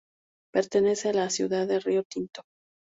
Pertenece a la ciudad de Río Tinto.